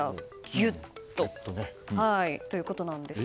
ギュッとということなんです。